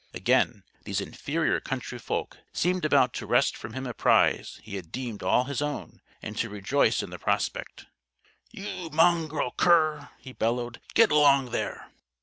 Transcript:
Again, these inferior country folk seemed about to wrest from him a prize he had deemed all his own, and to rejoice in the prospect. "You mongrel cur!" he bellowed. "Get along there!"